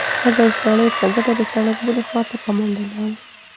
ښځه او سړی په ګډه د سړک بلې خوا ته په منډه لاړل.